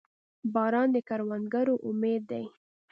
• باران د کروندګرو امید دی.